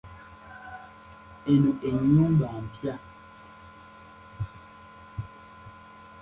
Eno ennyumba mpya.